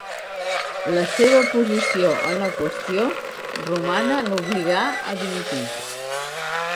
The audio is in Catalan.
La seva posició en la Qüestió Romana l'obligà a dimitir.